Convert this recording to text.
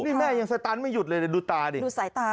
นี่แม่ยังสตันไม่หยุดเลยดูตาดิดูสายตา